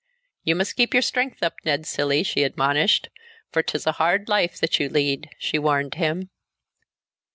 "You must keep your strength up, Ned Cilley," she admonished, "for 'tis a hard life that you lead," she warned him.